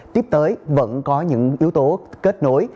tiếp tới vẫn có những yếu tố kết nối